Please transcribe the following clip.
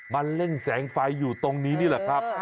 มันเล่นแสงไฟอยู่ตรงนี้นี่แหละครับ